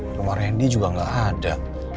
rumah rendy juga gak ada